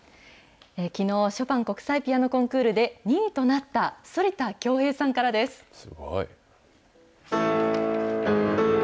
きのう、ショパン国際ピアノコンクールで２位となった反田恭平さんからです。